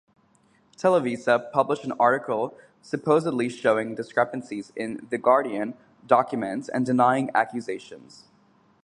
Televisa published an article supposedly showing discrepancies in "The Guardian" documents and denying accusations.